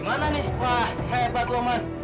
wah hebat lo man